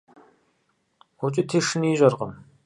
Укӏыти шыни ищӏэркъым.